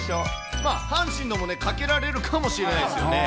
阪神のもね、かけられるかもしれないですよね。